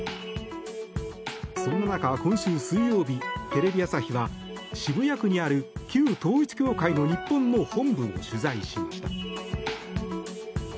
そんな中、今週水曜日テレビ朝日は渋谷区にある、旧統一教会の日本の本部を取材しました。